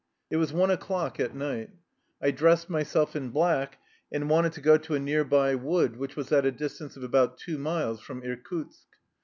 It was one o'clock at night. I dressed myself in black, and wanted to go to a near by wood which was at a distance of about two miles from Irkutsk.